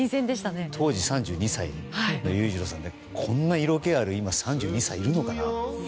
当時３２歳の裕次郎さんがこんな色気がある３２歳今、いるのかな。